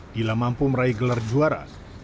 bila mampu meraih gelar juara